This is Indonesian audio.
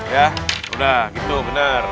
ya udah gitu bener